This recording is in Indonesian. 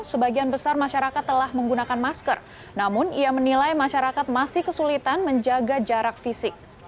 sebagian besar masyarakat telah menggunakan masker namun ia menilai masyarakat masih kesulitan menjaga jarak fisik